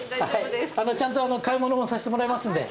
ちゃんと買い物もさせてもらいますんで。